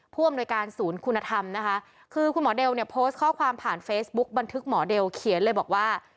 ผู้อำนวยการศูนย์คุณธรรมนะคะคือคุณหมอเดลเนี่ยโพสต์ข้อความผ่านเฟซบุ๊กบันทึกหมอเดลเขียนเลยบอกว่า